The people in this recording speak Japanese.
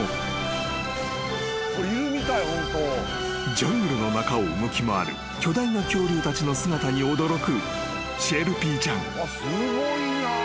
［ジャングルの中を動き回る巨大な恐竜たちの姿に驚くシェルピーちゃん］